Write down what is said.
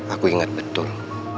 aku ingat betul